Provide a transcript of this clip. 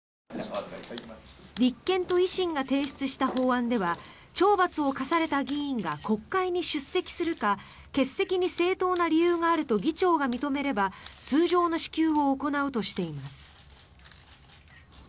立憲と維新が提出した法案では懲罰を科された議員が国会に出席するか欠席に正当な理由があると議長が認めれば通常の支給を行うとしています。